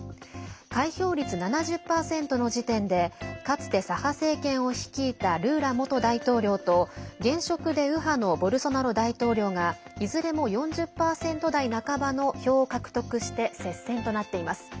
開票率７０％の時点でかつて左派政権を率いたルーラ元大統領と現職で右派のボルソナロ大統領がいずれも４０％台半ばの票を獲得して接戦となっています。